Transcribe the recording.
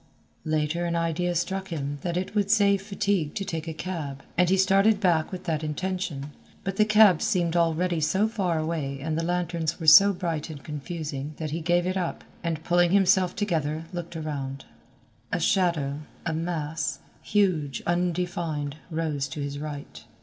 Later an idea struck him that it would save fatigue to take a cab, and he started back with that intention, but the cabs seemed already so far away and the lanterns were so bright and confusing that he gave it up, and pulling himself together looked around. A shadow, a mass, huge, undefined, rose to his right.